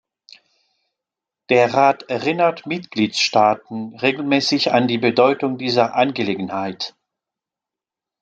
Der Rat erinnert Mitgliedstaaten regelmäßig an die Bedeutung dieser Angelegenheit.